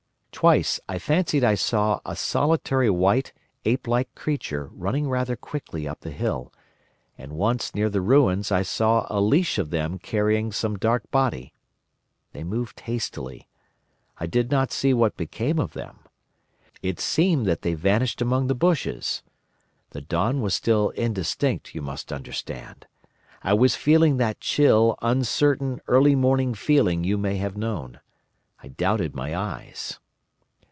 Twice I fancied I saw a solitary white, ape like creature running rather quickly up the hill, and once near the ruins I saw a leash of them carrying some dark body. They moved hastily. I did not see what became of them. It seemed that they vanished among the bushes. The dawn was still indistinct, you must understand. I was feeling that chill, uncertain, early morning feeling you may have known. I doubted my eyes.